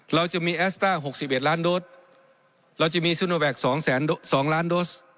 เราจะมีแอสต้าหกสิบเอ็ดล้านโดสเราจะมีซูนโนแวคสองแสนสองล้านโดส